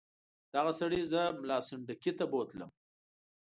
دغه سړي زه ملا سنډکي ته بوتلم.